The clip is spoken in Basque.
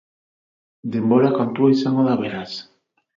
Denbora kontua izango da beraz.